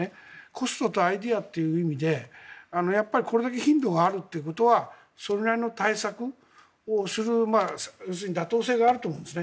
コストとアイデアという意味でこれだけ頻度があるということはそれなりの対策をする要するに妥当性があると思うんです。